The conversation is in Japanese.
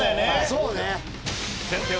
そうね。